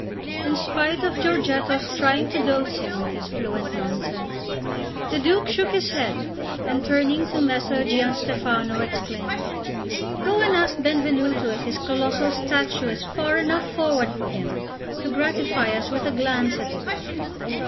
In spite of Giorgetto's trying to dose him with his fluent nonsense, the Duke shook his head, and turning to Messer Gianstefano, exclaimed: "Go and ask Benvenuto if his colossal statue is far enough forward for him to gratify us with a glance at it."